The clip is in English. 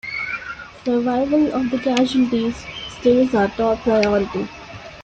Survival of the casualties stays our top priority!